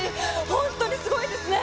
本当にすごいですね。